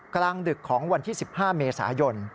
กลางดึกของวันที่๑๕เมษายน